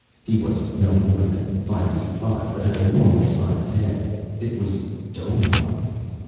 He was no more than five feet five but had a normal sized head. It was domelike.